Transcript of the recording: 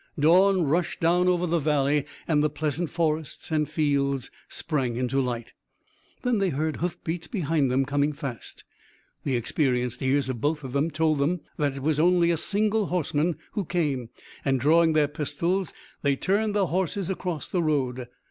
Dawn rushed down over the valley and the pleasant forests and fields sprang into light. Then they heard hoofbeats behind them coming fast. The experienced ears of both told them that it was only a single horseman who came, and, drawing their pistols, they turned their horses across the road.